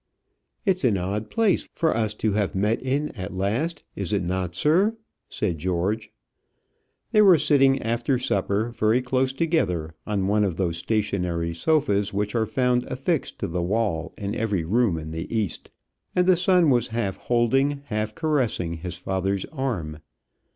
"It's an odd place for us to have met in at last, is it not, sir?" said George. They were sitting after supper very close together on one of those stationary sofas which are found affixed to the wall in every room in the East, and the son was half holding, half caressing his father's arm.